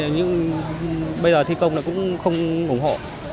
nhưng bây giờ thi công cũng không ủng hộ